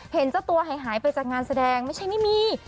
เห็นเจ้าตัวหายไปจากงานแสดงไม่ใช่ไม่มี